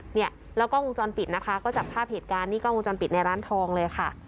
เนี่ยแล้วกล้องวงจรปิดนะคะก็จับภาพเหตุการณ์นี้กล้องวงจรปิดในร้านทองเลยค่ะ